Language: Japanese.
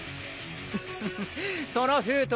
フフフその封筒